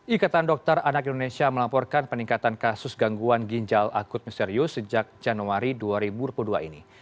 ikatan dokter anak indonesia melaporkan peningkatan kasus gangguan ginjal akut misterius sejak januari dua ribu dua puluh dua ini